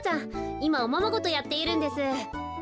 いまおままごとやっているんです。